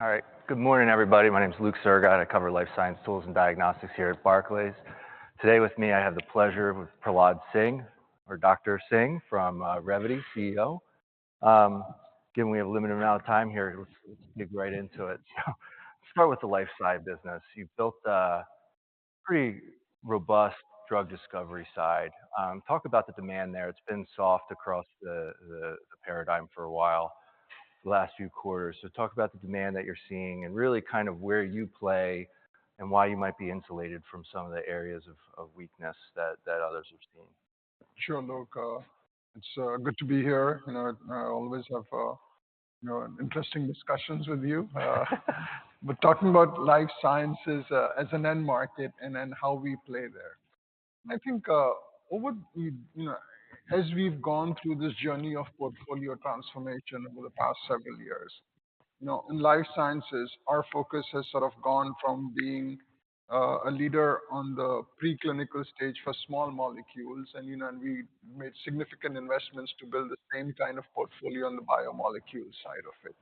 All right. Good morning, everybody. My name is Luke Sergott, and I cover life science tools and diagnostics here at Barclays. Today with me, I have the pleasure with Prahlad Singh or Dr. Singh from Revvity CEO. Given we have a limited amount of time here, let's get right into it. So let's start with the Life Sci business. You've built a pretty robust drug discovery side. Talk about the demand there. It's been soft across the paradigm for a while, the last few quarters. So talk about the demand that you're seeing and really kind of where you play and why you might be insulated from some of the areas of weakness that others are seeing. Sure, Luke. It's good to be here. You know, I always have, you know, interesting discussions with you. But talking about life sciences as an end market and then how we play there. I think, over, you know, as we've gone through this journey of portfolio transformation over the past several years, you know, in life sciences, our focus has sort of gone from being a leader on the preclinical stage for small molecules, and, you know, and we made significant investments to build the same kind of portfolio on the biomolecules side of it.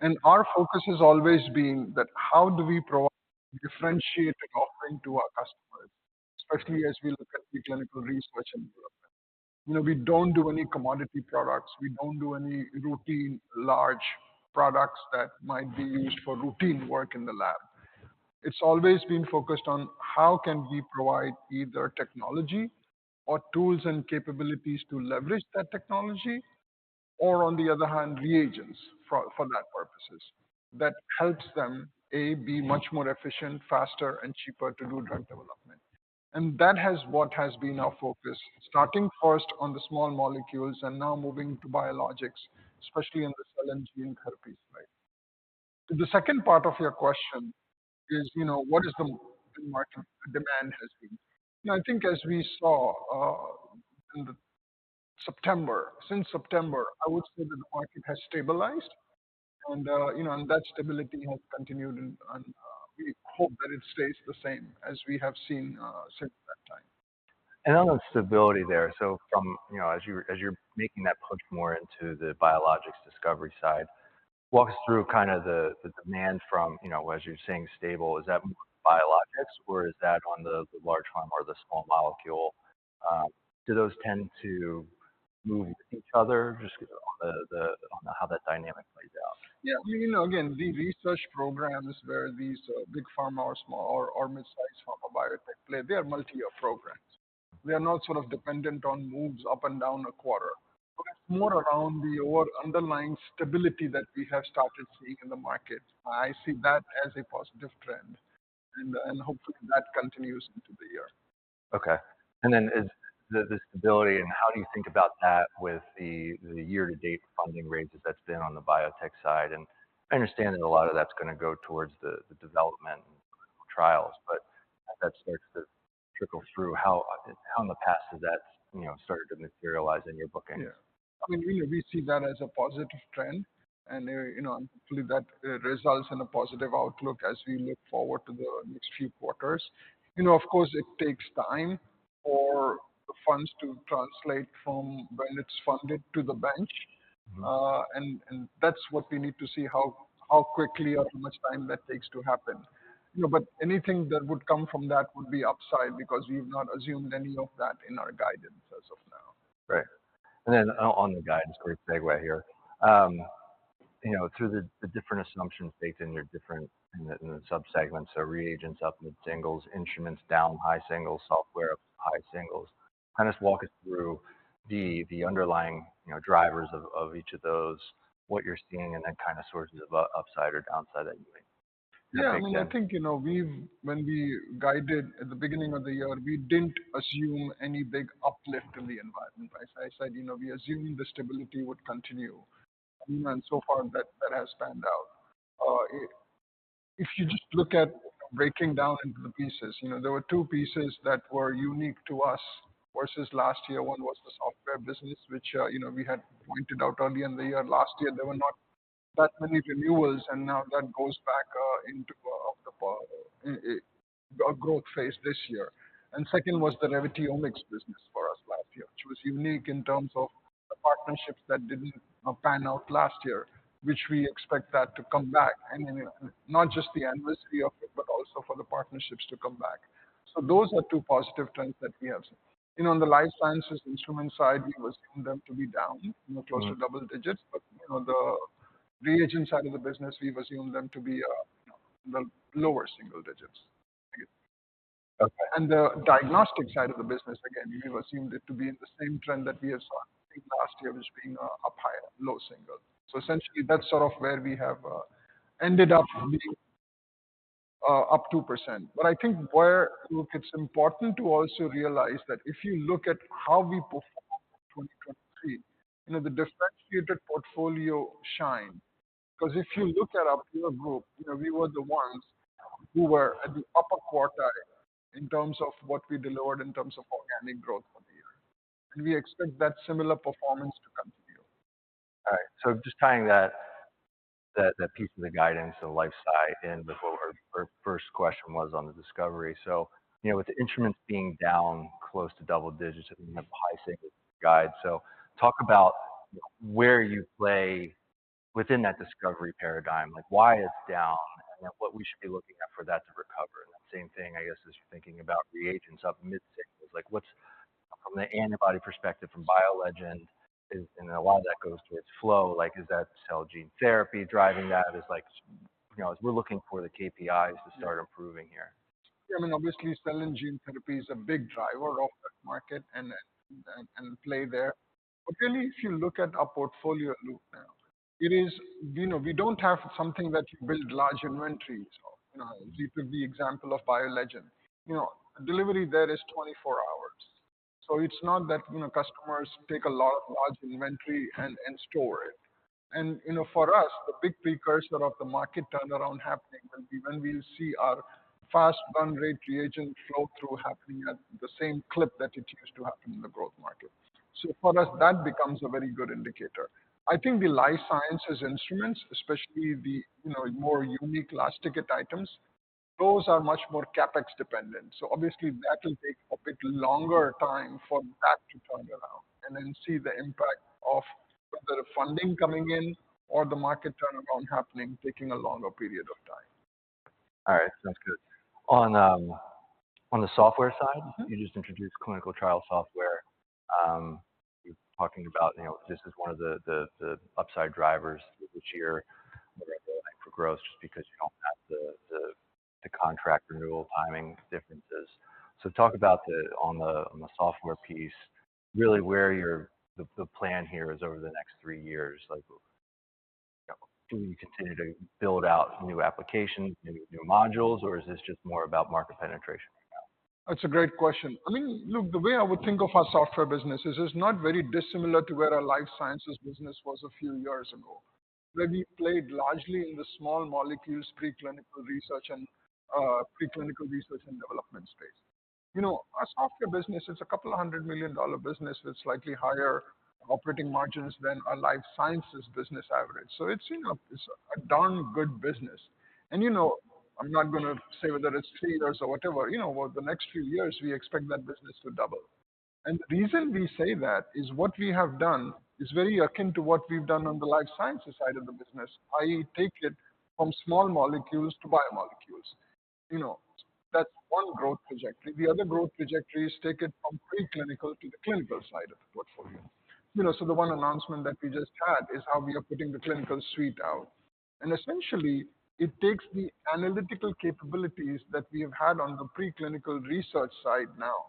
And our focus has always been that how do we provide differentiated offering to our customers, especially as we look at the clinical research and development? You know, we don't do any commodity products. We don't do any routine, large products that might be used for routine work in the lab. It's always been focused on how can we provide either technology or tools and capabilities to leverage that technology, or, on the other hand, reagents for that purposes, that helps them, A, be much more efficient, faster, and cheaper to do drug development. And that has what has been our focus, starting first on the small molecules and now moving to biologics, especially in the cell and gene therapies, right? The second part of your question is, you know, what is the market demand has been? You know, I think as we saw in September, since September, I would say that the market has stabilized, and you know, and that stability has continued, and we hope that it stays the same as we have seen since that time. On stability there, so from... You know, as you're making that push more into the biologics discovery side, walk us through kind of the demand from, you know, as you're saying, stable. Is that more biologics, or is that on the large one or the small molecule? Do those tend to move with each other? Just on how that dynamic plays out. Yeah, you know, again, the research programs where these big pharma or small or mid-size pharma biotech play, they are multi-year programs. They are not sort of dependent on moves up and down a quarter. So it's more around the overall underlying stability that we have started seeing in the market. I see that as a positive trend, and hopefully that continues into the year. Okay. And then is the stability, and how do you think about that with the year-to-date funding raises that's been on the biotech side? And I understand that a lot of that's going to go towards the development and clinical trials, but as that starts to trickle through, how in the past has that, you know, started to materialize in your bookings? Yeah. I mean, we see that as a positive trend, and, you know, hopefully, that results in a positive outlook as we look forward to the next few quarters. You know, of course, it takes time for funds to translate from when it's funded to the bench. That's what we need to see how quickly or how much time that takes to happen. You know, but anything that would come from that would be upside because we've not assumed any of that in our guidance as of now. Right. And then on the guidance, quick segue here. You know, through the different assumptions baked in your different subsegments, so reagents up in the singles, instruments down high singles, software up high singles. Kind of walk us through the underlying, you know, drivers of each of those, what you're seeing, and then kind of sources of upside or downside that you may take there. Yeah, I mean, I think, you know, we've when we guided at the beginning of the year, we didn't assume any big uplift in the environment. As I said, you know, we assumed the stability would continue, and so far, that has panned out. If you just look at breaking down into the pieces, you know, there were two pieces that were unique to us versus last year. One was the software business, which, you know, we had pointed out early in the year. Last year, there were not that many renewals, and now that goes back into a growth phase this year. Second was the Revvity Omics business for us last year, which was unique in terms of the partnerships that didn't pan out last year, which we expect that to come back, and, you know, not just the annuity of it, but also for the partnerships to come back. So those are two positive trends that we have seen. You know, on the life sciences instrument side, we've assumed them to be down-... you know, close to double digits. But, you know, the reagent side of the business, we've assumed them to be, you know, the lower single digits. And the diagnostic side of the business, again, we've assumed it to be in the same trend that we have seen last year, which being, up higher, low single. So essentially, that's sort of where we have, ended up being, up 2%. But I think where, look, it's important to also realize that if you look at how we performed in 2023, you know, the differentiated portfolio shined. Because if you look at our peer group, you know, we were the ones who were at the upper quartile in terms of what we delivered in terms of organic growth for the year. And we expect that similar performance to continue. All right. So just tying that piece of the guidance, the Life Sci in before our first question was on the discovery. So, you know, with the instruments being down close to double digits and we have high singles guide, so talk about where you play within that discovery paradigm, like why it's down and what we should be looking at for that to recover? And that same thing, I guess, is thinking about reagents up mid-singles. Like, what's from the antibody perspective from BioLegend, is and a lot of that goes to its flow, like, is that cell gene therapy driving that? Is like, you know, we're looking for the KPIs to start improving here. I mean, obviously, cell and gene therapy is a big driver of that market and play there. But really, if you look at our portfolio, Luke, now, it is, you know, we don't have something that you build large inventories of. You know, give you the example of BioLegend. You know, delivery there is 24 hours. So it's not that, you know, customers take large inventory and store it. And, you know, for us, the big precursor of the market turnaround happening will be when we see our fast burn rate reagent flow through happening at the same clip that it used to happen in the growth market. So for us, that becomes a very good indicator. I think the life sciences instruments, especially the, you know, more unique large ticket items, those are much more CapEx dependent. Obviously, that will take a bit longer time for that to turn around and then see the impact of the funding coming in or the market turnaround happening, taking a longer period of time. All right, sounds good. On the software side, you just introduced clinical trial software. You're talking about, you know, this is one of the upside drivers this year for growth, just because you don't have the contract renewal timing differences. So talk about on the software piece, really where your plan here is over the next three years. Like, do you continue to build out new applications, new modules, or is this just more about market penetration? That's a great question. I mean, look, the way I would think of our software business is it's not very dissimilar to where our life sciences business was a few years ago, where we played largely in the small molecules, preclinical research and preclinical research and development space. You know, our software business is a $200 million business with slightly higher operating margins than our life sciences business average. So it's, you know, it's a darn good business. And, you know, I'm not going to say whether it's three years or whatever. You know, over the next few years, we expect that business to double. And the reason we say that is what we have done is very akin to what we've done on the life sciences side of the business, i.e., take it from small molecules to biomolecules. You know, that's one growth trajectory. The other growth trajectory is take it from preclinical to the clinical side of the portfolio. You know, so the one announcement that we just had is how we are putting the clinical suite out. Essentially, it takes the analytical capabilities that we have had on the preclinical research side now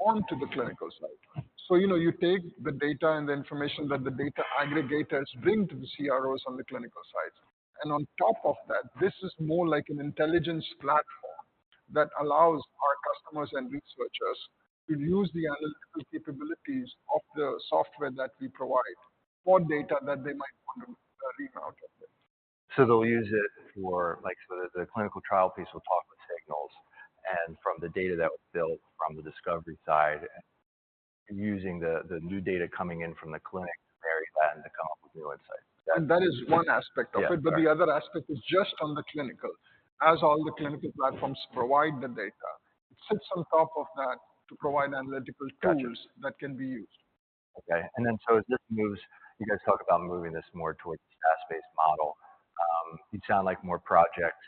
onto the clinical side. You know, you take the data and the information that the data aggregators bring to the CROs on the clinical side. On top of that, this is more like an intelligence platform that allows our customers and researchers to use the analytical capabilities of the software that we provide for data that they might want to read out of it. So they'll use it for, like, so the clinical trial piece will talk with Signals and from the data that was built from the discovery side, using the new data coming in from the clinic, very glad to come up with new insights. That is one aspect of it. Yeah. But the other aspect is just on the clinical. As all the clinical platforms provide the data, it sits on top of that to provide analytical tools. Got you. that can be used. Okay. Then, as this moves, you guys talk about moving this more towards the SaaS-based model. You sound like more project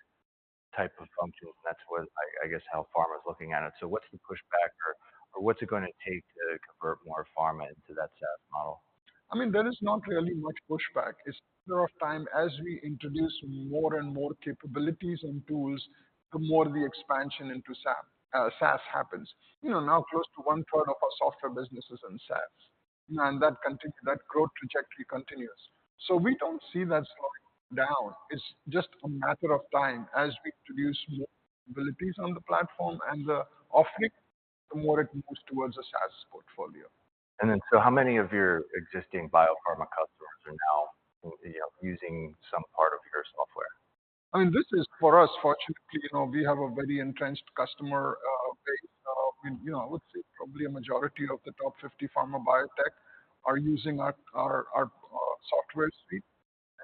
type of functions, and that's what, I guess, how pharma is looking at it. So what's the pushback, or what's it going to take to convert more pharma into that SaaS model? I mean, there is not really much pushback. It's a matter of time as we introduce more and more capabilities and tools, the more the expansion into SaaS happens. You know, now close to one-third of our software business is in SaaS, and that growth trajectory continues. So we don't see that slowing down. It's just a matter of time as we introduce more capabilities on the platform and the offering, the more it moves towards a SaaS portfolio. How many of your existing biopharma customers are now, you know, using some part of your software? I mean, this is for us, fortunately, you know, we have a very entrenched customer base. You know, I would say probably a majority of the top 50 pharma biotech are using our software suite,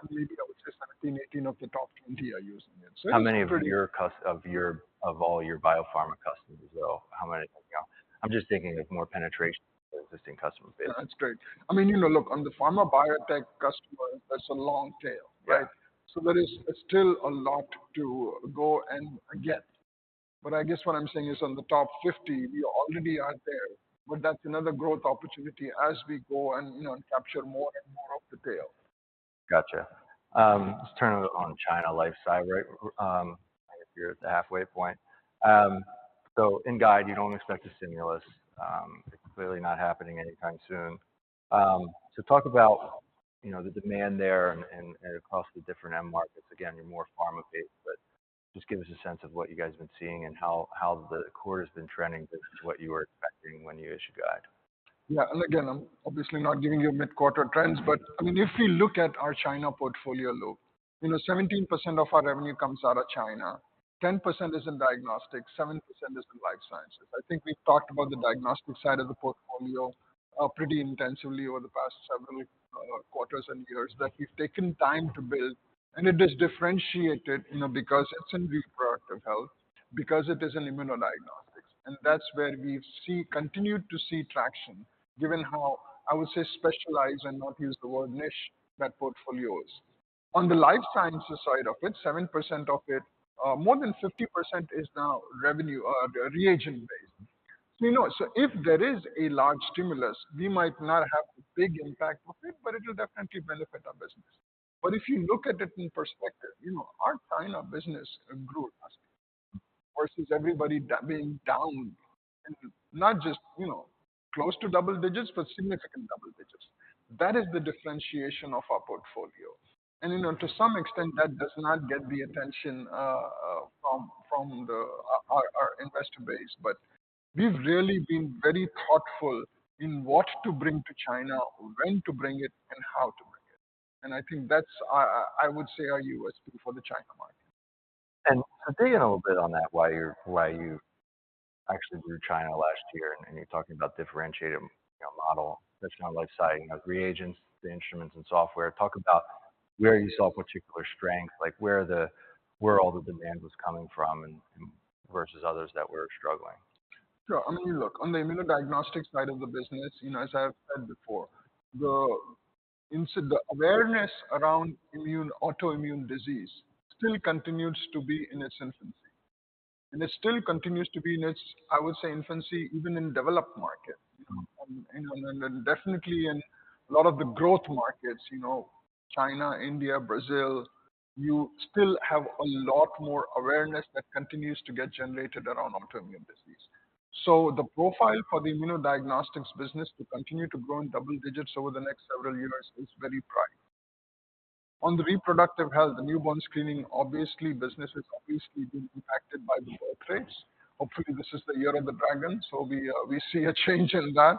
and maybe I would say 17, 18 of the top 20 are using it. So- How many of your customers, of all your biopharma customers, though, how many? I'm just thinking of more penetration to existing customer base. That's great. I mean, you know, look, on the pharma biotech customer, that's a long tail, right? Yeah. So there is still a lot to go and get. But I guess what I'm saying is on the top 50, we already are there, but that's another growth opportunity as we go and, you know, capture more and more of the tail. Got you. Let's turn it to the China Life Sci, right? If you're at the halfway point. So in guide, you don't expect a stimulus. It's clearly not happening anytime soon. So talk about, you know, the demand there and across the different end markets. Again, you're more pharma-based, but just give us a sense of what you guys have been seeing and how the quarter has been trending versus what you were expecting when you issued a guide. Yeah. Again, I'm obviously not giving you mid-quarter trends, but I mean, if you look at our China portfolio, you know, 17% of our revenue comes out of China, 10% is in diagnostics, 7% is in life sciences. I think we've talked about the diagnostic side of the portfolio, pretty intensively over the past several quarters and years, that we've taken time to build. It is differentiated, you know, because it's in reproductive health, because it is an immunodiagnostic. That's where we've continued to see traction, given how, I would say, specialized and, not using the word niche, that portfolio is. On the life sciences side of it, 7% of it, more than 50% is now reagent-based revenue. So, you know, so if there is a large stimulus, we might not have a big impact of it, but it will definitely benefit our business. But if you look at it in perspective, you know, our kind of business grew versus everybody being down and not just, you know, close to double digits, but significant double digits. That is the differentiation of our portfolio. And, you know, to some extent, that does not get the attention from our investor base. But we've really been very thoughtful in what to bring to China, when to bring it, and how to bring it. And I think that's, I would say, our USP for the China market. Digging a little bit on that, why you're, why you actually grew China last year, and you're talking about differentiated, you know, model that's not like saying, you know, reagents, the instruments and software. Talk about where you saw particular strength, like where all the demand was coming from and versus others that were struggling. Sure. I mean, look, on the immunodiagnostics side of the business, you know, as I've said before, the awareness around immune, autoimmune disease still continues to be in its infancy. It still continues to be in its, I would say, infancy, even in developed markets. You know, and definitely in a lot of the growth markets, you know, China, India, Brazil, you still have a lot more awareness that continues to get generated around autoimmune disease. So the profile for the immunodiagnostics business to continue to grow in double digits over the next several years is very bright. On the reproductive health, the newborn screening, obviously, business has obviously been impacted by the birth rates. Hopefully, this is the Year of the dragon, so we see a change in that.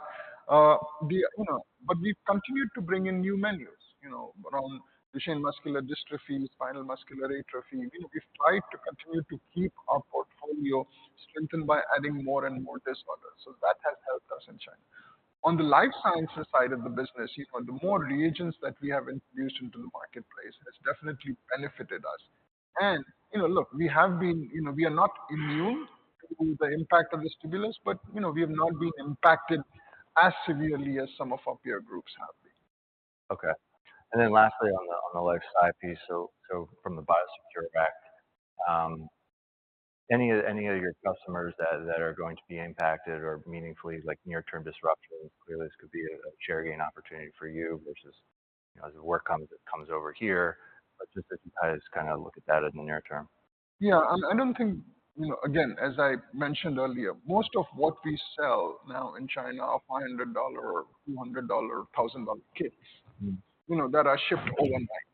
You know, but we've continued to bring in new menus, you know, around Duchenne muscular dystrophy, spinal muscular atrophy. You know, we've tried to continue to keep our portfolio strengthened by adding more and more disorders, so that has helped us in China. On the life sciences side of the business, you know, the more reagents that we have introduced into the marketplace has definitely benefited us. And, you know, look, we are not immune to the impact of the stimulus, but, you know, we have not been impacted as severely as some of our peer groups have been. Okay. And then lastly, on the life sci piece, so from the Biosecurity Act, any of your customers that are going to be impacted or meaningfully, like near term disruptive? Clearly, this could be a share gain opportunity for you versus, you know, as the work comes, it comes over here. But just as you guys kind of look at that in the near term. Yeah, I don't think, you know, again, as I mentioned earlier, most of what we sell now in China are $500 or $200, $1,000 kits, you know, that are shipped overnight.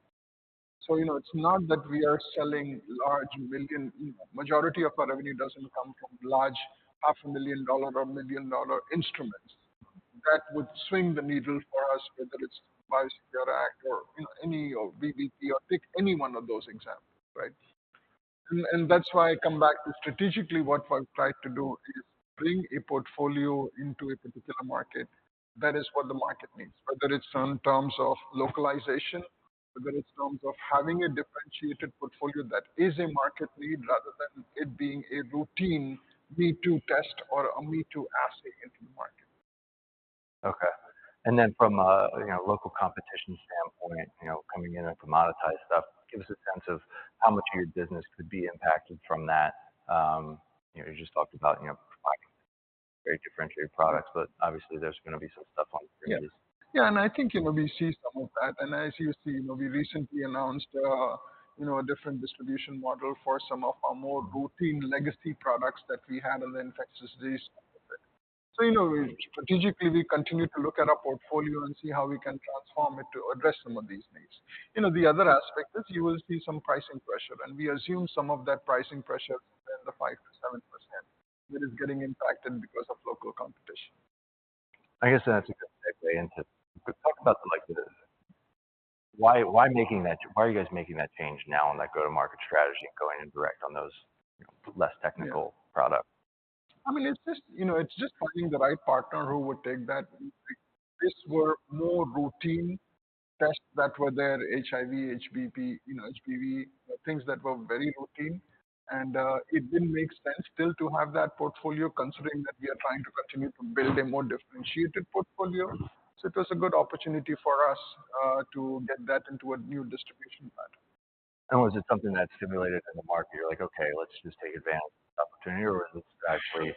So, you know, it's not that we are selling large million-dollar; majority of our revenue doesn't come from large $500,000 or $1 million instruments. That would swing the needle for us, whether it's Biosecurity Act or, you know, any or VBP or pick any one of those examples, right? And that's why I come back to strategically what I've tried to do is bring a portfolio into a particular market. That is what the market needs, whether it's in terms of localization, whether it's in terms of having a differentiated portfolio that is a market lead, rather than it being a routine me-too test or a me-too assay into the market. Okay. And then from a, you know, local competition standpoint, you know, coming in and commoditize stuff, give us a sense of how much of your business could be impacted from that. You know, you just talked about, you know, providing very differentiated products, but obviously there's going to be some stuff on- Yeah. Yeah, and I think, you know, we see some of that. And as you see, you know, we recently announced, you know, a different distribution model for some of our more routine legacy products that we had in the infectious disease. So, you know, strategically, we continue to look at our portfolio and see how we can transform it to address some of these needs. You know, the other aspect is you will see some pricing pressure, and we assume some of that pricing pressure in the 5%-7%, that is getting impacted because of local competition. I guess that's a good way into talk about, like, why are you guys making that change now in that go-to-market strategy, going direct on those, you know, less technical products? I mean, it's just, you know, it's just finding the right partner who would take that. These were more routine tests that were there, HIV, HBV, you know, HPV, things that were very routine. And it didn't make sense still to have that portfolio, considering that we are trying to continue to build a more differentiated portfolio. So it was a good opportunity for us to get that into a new distribution pattern. Was it something that stimulated in the market? You're like, okay, let's just take advantage of this opportunity, or is this actually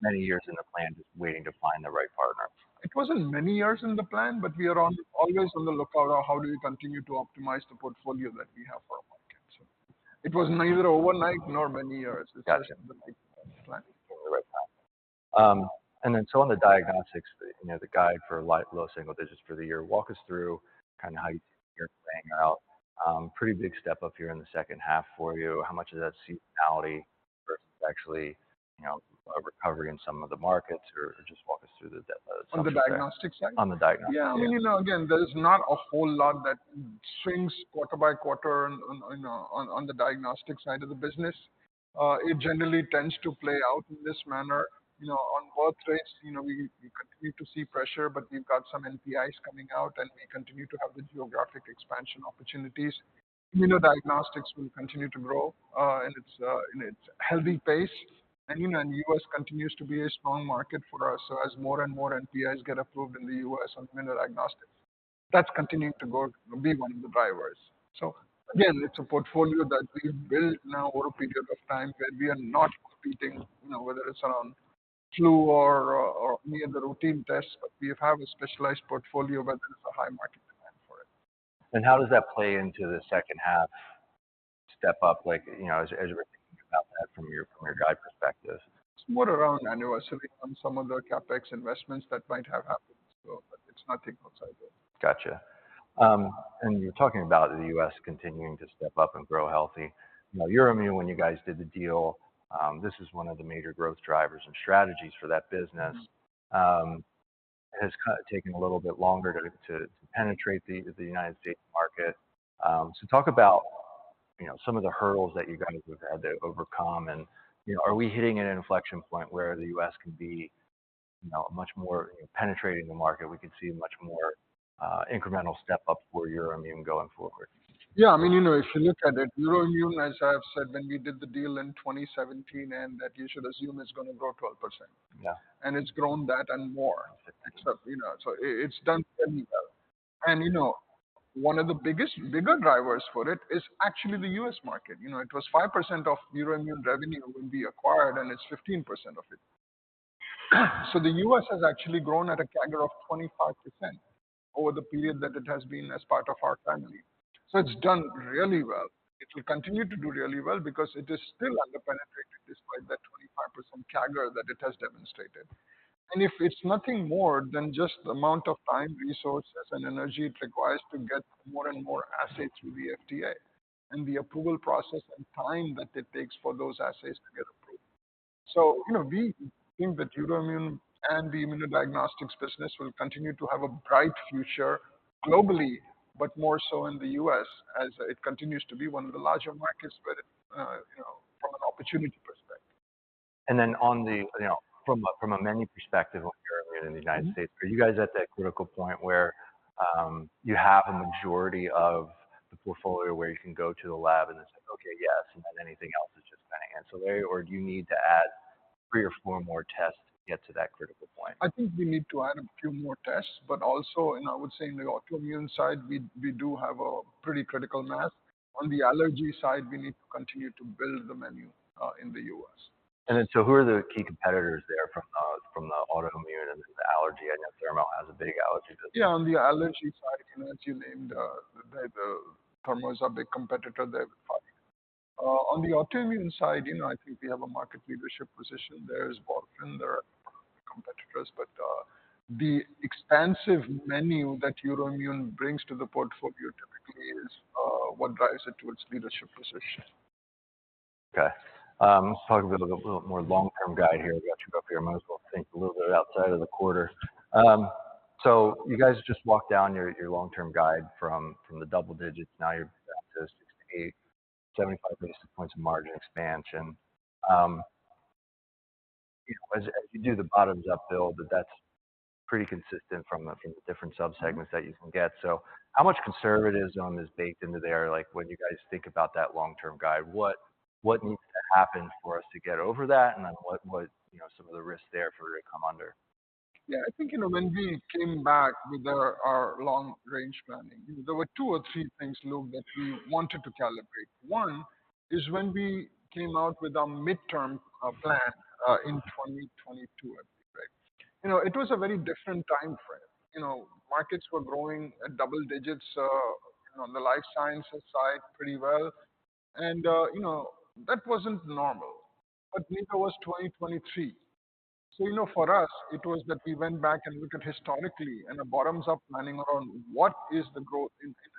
many years in the plan, just waiting to find the right partner? It wasn't many years in the plan, but we are always on the lookout of how do we continue to optimize the portfolio that we have for our market. So it was neither overnight nor many years. Got you. It's planning the right time. So on the diagnostics, you know, the guidance for low single digits for the year, walk us through kind of how you think you're playing out. Pretty big step up here in the second half for you. How much of that seasonality versus actually, you know, a recovery in some of the markets, or just walk us through the de- On the diagnostics side? On the diagnostics. Yeah, you know, again, there is not a whole lot that swings quarter by quarter on the diagnostics side of the business. It generally tends to play out in this manner. You know, on birth rates, you know, we continue to see pressure, but we've got some NPIs coming out, and we continue to have the geographic expansion opportunities. You know, diagnostics will continue to grow in its healthy pace. You know, the U.S. continues to be a strong market for us. So as more and more NPIs get approved in the U.S. on immunodiagnostics, that's continuing to be one of the drivers. So again, it's a portfolio that we've built now over a period of time, where we are not competing, you know, whether it's around flu or any of the routine tests. We have a specialized portfolio, where there is a high market demand for it. How does that play into the second half step up? Like, you know, as, as we're thinking about that from your, from your guide perspective. It's more around anniversary on some of the CapEx investments that might have happened. So but it's nothing outside there. Gotcha. And you're talking about the U.S. continuing to step up and grow healthy. You know, Euroimmun, when you guys did the deal, this is one of the major growth drivers and strategies for that business. Has kind of taken a little bit longer to penetrate the United States market. So talk about, you know, some of the hurdles that you guys have had to overcome and, you know, are we hitting an inflection point where the U.S. can be, you know, much more penetrating the market? We can see much more, incremental step up for Euroimmun going forward. Yeah, I mean, you know, if you look at it, Euroimmun, as I have said, when we did the deal in 2017, and that you should assume it's going to grow 12%. Yeah. It's grown that and more, except, you know, so it's done really well. You know, one of the biggest, bigger drivers for it is actually the U.S. market. You know, it was 5% of Euroimmun revenue when we acquired, and it's 15% of it. So the U.S. has actually grown at a CAGR of 25% over the period that it has been as part of our family. So it's done really well. It will continue to do really well because it is still underpenetrated, despite that 25% CAGR that it has demonstrated. And if it's nothing more than just the amount of time, resources, and energy it requires to get more and more assays through the FDA and the approval process and time that it takes for those assays to get approved. You know, we think that Euroimmun and the immunodiagnostics business will continue to have a bright future globally, but more so in the U.S., as it continues to be one of the larger markets where, you know, from an opportunity perspective. Then, you know, from a menu perspective on Euroimmun in the United States, are you guys at that critical point where you have a majority of the portfolio where you can go to the lab and it's like, okay, yes, and then anything else is just kinda ancillary, or do you need to add three or four more tests to get to that critical point? I think we need to add a few more tests, but also in, I would say, in the autoimmune side, we do have a pretty critical mass. On the allergy side, we need to continue to build the menu in the U.S. Who are the key competitors there from, from the autoimmune and the allergy? I know Thermo has a big allergy business. Yeah, on the allergy side, you know, as you named, Thermo’s a big competitor there. On the autoimmune side, you know, I think we have a market leadership position. There’s Abbott, there are competitors, but the expansive menu that Euroimmun brings to the portfolio typically is what drives it to its leadership position. Okay. Let's talk a bit, a little more long-term guide here. We got you up here, might as well think a little bit outside of the quarter. So you guys just walked down your long-term guide from the double digits. Now you're down to 6-8, 75 basis points of margin expansion. You know, as you do the bottoms-up build, but that's pretty consistent from the different subsegments that you can get. So how much conservatism is baked into there? Like, when you guys think about that long-term guide, what needs to happen for us to get over that, and then what, you know, some of the risks there for it to come under? Yeah, I think, you know, when we came back with our long range planning, there were two or three things, Luke, that we wanted to calibrate. One, is when we came out with our midterm plan in 2022, I think, right? You know, it was a very different time frame. You know, markets were growing at double digits on the life sciences side pretty well, and, you know, that wasn't normal, but neither was 2023. So, you know, for us, it was that we went back and looked at historically and a bottoms-up planning around what is the growth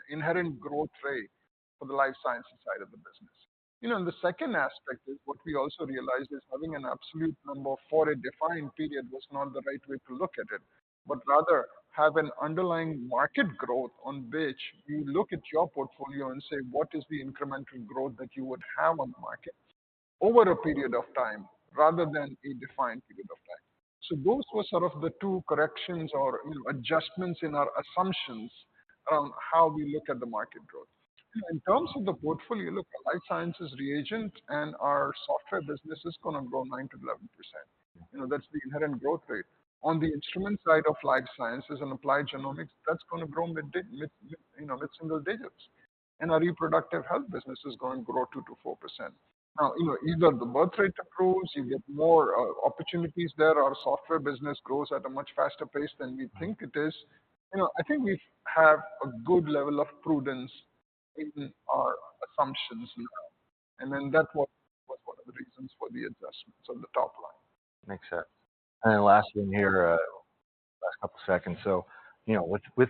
inherent growth rate for the life sciences side of the business. You know, and the second aspect is what we also realized is having an absolute number for a defined period was not the right way to look at it, but rather have an underlying market growth on which you look at your portfolio and say: What is the incremental growth that you would have on the market over a period of time, rather than a defined period of time? So those were sort of the two corrections or, you know, adjustments in our assumptions on how we look at the market growth. In terms of the portfolio, look, the life sciences reagent and our software business is gonna grow 9%-11%. You know, that's the inherent growth rate. On the instrument side of life sciences and applied genomics, that's gonna grow mid-single digits. Our reproductive health business is going to grow 2%-4%. Now, you know, either the birth rate improves, you get more opportunities there, or software business grows at a much faster pace than we think it is. You know, I think we have a good level of prudence in our assumptions now, and then that was one of the reasons for the adjustments on the top line. Makes sense. And then last one here, last couple seconds. So, you know, with,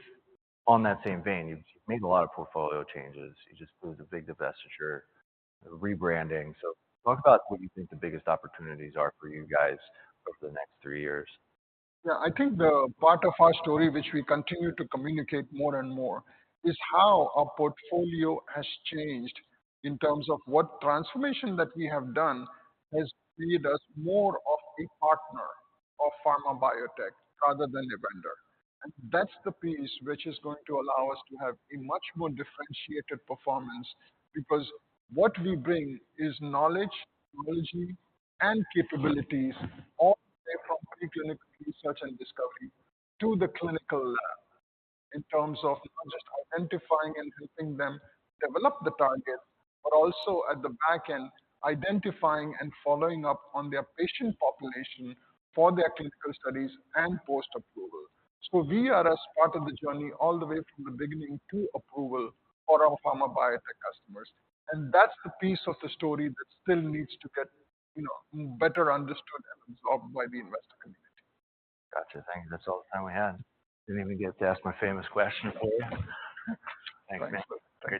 on that same vein, you've made a lot of portfolio changes. You just closed a big divestiture, rebranding. So talk about what you think the biggest opportunities are for you guys over the next three years. Yeah, I think the part of our story, which we continue to communicate more and more, is how our portfolio has changed in terms of what transformation that we have done has made us more of a partner of pharma biotech rather than a vendor. That's the piece which is going to allow us to have a much more differentiated performance, because what we bring is knowledge, technology, and capabilities all the way from preclinical research and discovery to the clinical lab, in terms of not just identifying and helping them develop the target, but also at the back end, identifying and following up on their patient population for their clinical studies and post-approval. So we are a part of the journey all the way from the beginning to approval for our pharma biotech customers, and that's the piece of the story that still needs to get, you know, better understood and absorbed by the investor community. Got you. Thank you. That's all the time we had. Didn't even get to ask my famous question for you. Thank you. Great to see you.